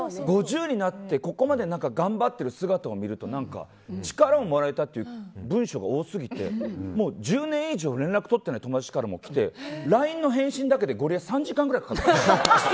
５０になってここまで頑張ってる姿を見ると力をもらえたって文章が多すぎて１０年以上連絡取ってない友達からも来てＬＩＮＥの返信だけでゴリエ５時間ぐらいかかったの。